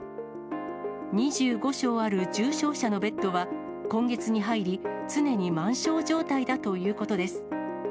２５床ある重症者のベッドは、今月に入り、常に満床状態だということです。